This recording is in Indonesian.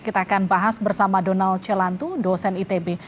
kita akan bahas bersama donald celantu dosen itb